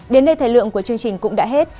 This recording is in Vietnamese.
đến đây thời lượng của chương trình cũng đã hết